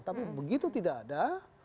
tapi begitu tidak ada